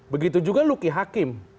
begitu juga lucky hakim